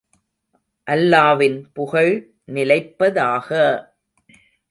அல்லாவின் புகழ் நிலைப்பதாக!